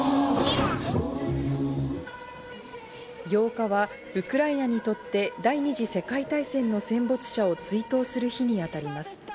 ８日はウクライナにとって第二次世界大戦の戦没者を追悼する日にあたります。